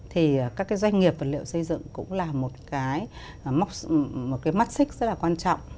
thì các cái doanh nghiệp vật liệu xây dựng cũng là một cái mắt xích rất là quan trọng